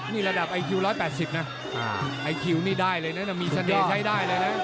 นี่ระดับไอคิว๑๘๐นะไอคิวนี่ได้เลยนะมีเสน่ห์ใช้ได้เลยนะ